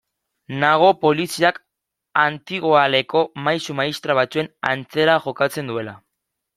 Nago poliziak antigoaleko maisu-maistra batzuen antzera jokatzen duela.